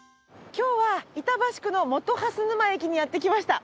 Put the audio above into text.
今日は板橋区の本蓮沼駅にやってきました。